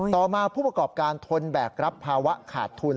ต่อมาผู้ประกอบการทนแบกรับภาวะขาดทุน